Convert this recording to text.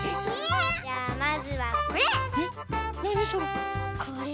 じゃあまずはこれ！